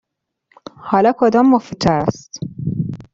حالا کدام مفیدتر است؟